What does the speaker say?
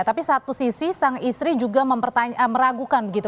tapi satu sisi sang istri juga meragukan begitu